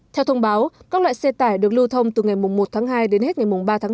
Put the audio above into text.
theo thông báo các loại xe tải được lưu thông từ ngày một hai đến hết ngày ba hai